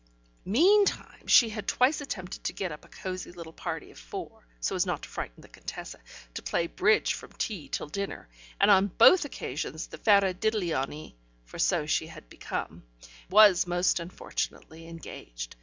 Meantime she had twice attempted to get up a cosy little party of four (so as not to frighten the Contessa) to play bridge from tea till dinner, and on both occasions the Faradiddleony (for so she had become) was most unfortunately engaged.